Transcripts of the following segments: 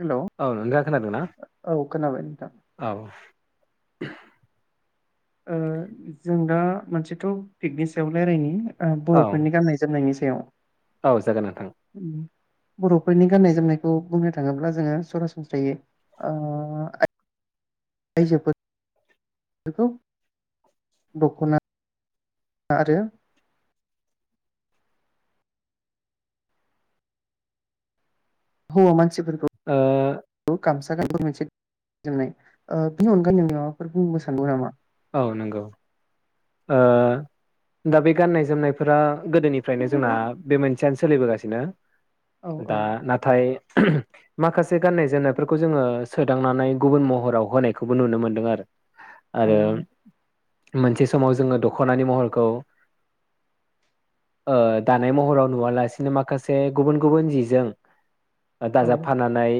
Hello औ नोंथाङा खोनादोंना? औ खोनाबाय नोंथां औ [inaudible] ओ जों दा मोनसे टपिकनि सायाव रायलायनि। औ बर'फोरनि गाननाय जोमनायनि सायाव। औ जागोन नोंथां। बर'फोरनि गान्नाय जोमनायखौ बुंनो थाङोब्ला जोङो सरासनस्रायै ओ आयजोफोर बेखौ दख'ना आरो हौवा मान ओ तिफोरखौ गामस [unintelligible] मोनसे [unintelligible] नाय ओ बिनि अनगायै माबाफोर बुंनो सानो नामा? औ नोंगौ ओ दा बे गाननाय जोमनायफोरा गोदोनिफ्रायनो जोंना बे मोनसेयानो सोलिबोगासिनो औ दा औ नाथाय माखासे गाननाय जोमनायफोरखौ जोङो सोदांनानै गुबुन महराव होनायखौबो नुनो मोन्दों आरो औ आरो मोनसे समाव जोङो दख'नानि महरखौ ओ दानाय महराव नुवालासिनो माखासे गुबुन गुबुन जिजों औ दाजाबफानानै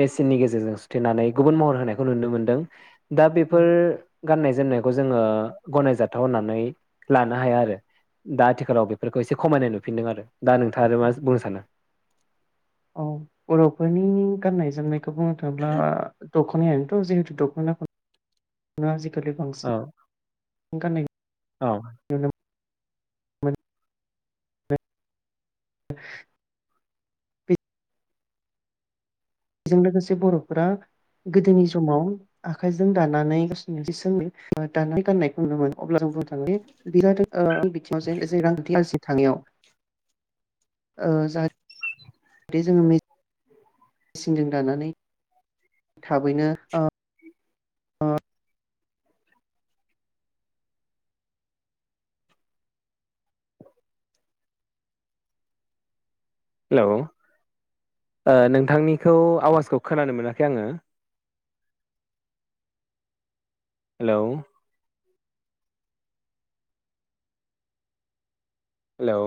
मेसिननि गेजेरजों सुथेनानै गुबुन महर होनायखौ नुनो मोनदों दा बेफोर गाननाय जोमनायखौ जोङो गनायजाथाव होननानै लानो हाया आरो दा आथिखालाव बेफोरखौ एसे खमायनाय नुफिनदों आरो दा नोंथाङा आरो मा बुंनो सानो औ बर'फोरनि गाननाय जोमनाय बुंनो थांब्ला दखनायाथ जेहेथु दखना ना औ [unintelligible] [unintelligible] औ [inaudible] बेजों लोगोसे बर'फोरा गोदोनि समाव आखाइजों दानानै [unintelligible] दानानै गाननायखौ नुनो मोनो अब्ला जों बुंनो [unintelligible] बे जादों [unintelligible] ओ बिथिंयाव [unintelligible] थांनायाव ओ जाहाथ थे जोङो [unintelligible] मेसिनजों दानानै थाबैनो अ अ हेलौ ओ नोंथांनिखौ आवाजखौ खोनानो मोनाखै आङो। Hello hello